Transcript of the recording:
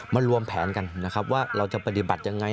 รวมแผนกันนะครับว่าเราจะปฏิบัติยังไง